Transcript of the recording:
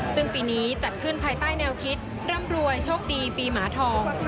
ซึ่งปีนี้จัดขึ้นภายใต้แนวคิดร่ำรวยโชคดีปีหมาทอง